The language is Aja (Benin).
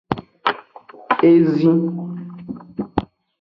Ezi.